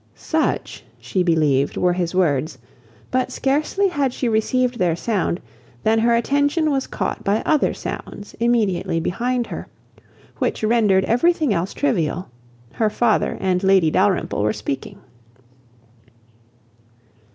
Such, she believed, were his words; but scarcely had she received their sound, than her attention was caught by other sounds immediately behind her, which rendered every thing else trivial. Her father and Lady Dalrymple were speaking.